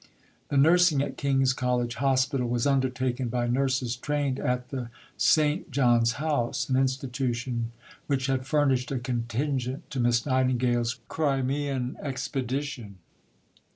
The nursing at King's College Hospital was undertaken by nurses trained at the St. John's House an institution which had furnished a contingent to Miss Nightingale's Crimean expedition.